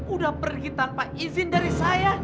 udah pergi tanpa izin dari saya